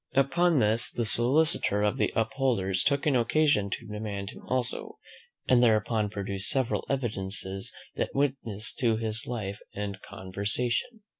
Upon this, the solicitor of the Upholders took an occasion to demand him also, and thereupon produced several evidences that witnessed to his life and conversation.